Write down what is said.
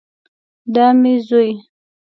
دا مې زوی